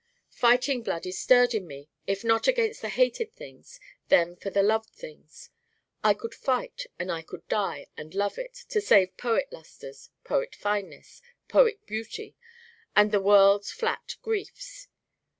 Fighting blood is stirred in me if not against the hated things then for the loved things. I could fight and I could die, and love it, to save poet lusters, poet fineness, poet beauty from the world's flat griefs.